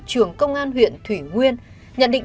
trưởng công an huyện thủy nguyên nhận định